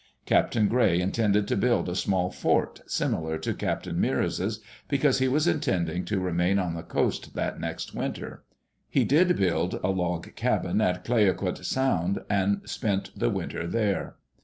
Captain Gray intended to build a small fort, similar to Captain Meares's, because he was intending to remain on the coast that next winter. He did build a log cabin at Clayoquot Sound, and spent the winter there.